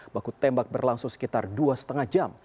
baku tembak berlangsung sekitar dua lima jam